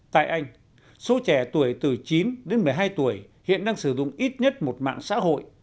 tại anh số trẻ tuổi từ chín đến một mươi hai tuổi hiện đang sử dụng ít nhất một mạng xã hội